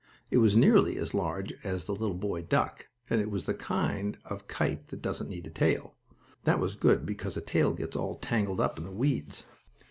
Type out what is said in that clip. It was nearly as large as the little boy duck, and it was the kind of a kite that doesn't need a tail. That was good, because a tail gets all tangled up in the weeds.